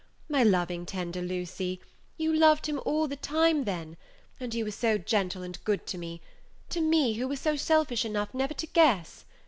My loving, tender Lucy, you loved him all the time then; and you were so gentle and good to me to me, who was selfish enough never to guess!